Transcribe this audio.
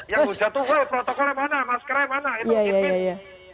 ya gu jatuh protokolnya mana maskeranya mana